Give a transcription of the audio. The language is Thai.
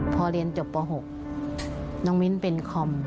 พอเรียนจบป๖น้องมิ้นเป็นคอม